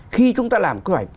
khi chúng ta làm cơ hội